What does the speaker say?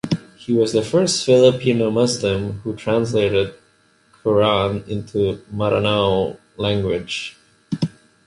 He was the first Filipino Muslim who translated Qur’an into Maranao language.